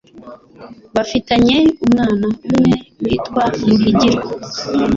bafitanye umwana umwe witwa Muhigirwa,